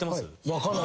分からない。